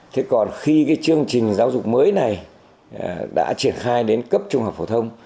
thế còn khi cái chương trình giáo dục mới này đã triển khai đến cấp trung học phổ thông